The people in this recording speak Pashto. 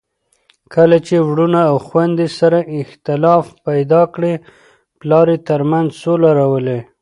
کله چي وروڼه او خويندې سره اختلاف پیدا کړي، پلار یې ترمنځ سوله راولي.